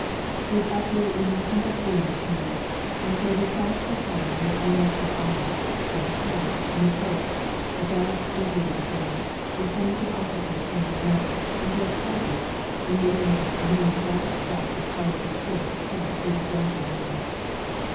There was absolutely nothing to see in the town, so we sat for a time in the only Kafana, or hotel, in the place — a dark, dirty little den, with some of the officers whom we met, and drank coffee, and later in the afternoon galloped back as hard as we could to camp through the drenching rain.